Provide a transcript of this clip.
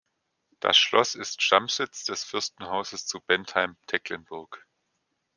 Das Schloss ist Stammsitz des Fürstenhauses zu Bentheim-Tecklenburg.